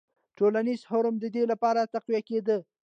ټولنیز هرم د دې لپاره تقویه کېده.